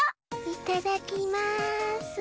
いただきます。